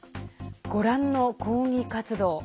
ご覧の抗議活動。